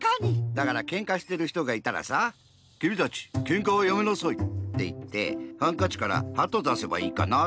だからけんかしてるひとがいたらさ「きみたちけんかはやめなさい！」っていってハンカチからハトだせばいいかなぁって。